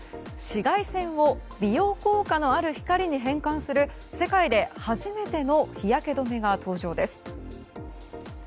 紫外線を美容効果のある光に変換する世界で初めての日焼け止めが登場です。